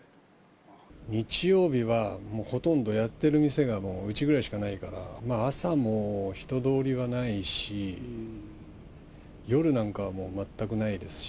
日曜日はもうほとんどやってる店が、もううちぐらいしかないから、朝も人通りはないし、夜なんかはもう全くないですし。